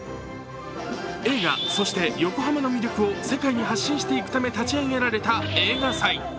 映画、そして横浜の魅力を世界に発信していくため立ち上げられた映画祭。